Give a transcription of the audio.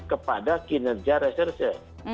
kepada kinerja reserse